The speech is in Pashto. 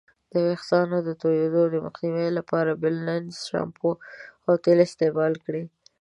د ویښتانو د توییدو د مخنیوي لپاره بیلینزر شامپو او تیل استعمال کړئ.